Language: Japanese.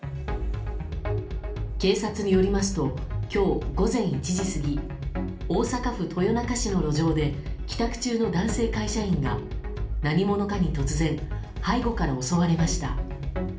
警察によりますと今日午前１時過ぎ大阪府豊中市の路上で帰宅中の男性会社員が何者かに突然、背後から襲われました。